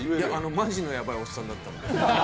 マジにやばいおっさんだったんで。